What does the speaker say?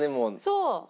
そう。